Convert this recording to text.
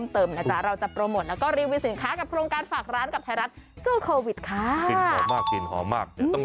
ถ่ายการก่อนเนอะ